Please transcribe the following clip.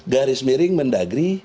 garis miring mendagri